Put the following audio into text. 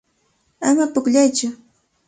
Ama pukllaytsu.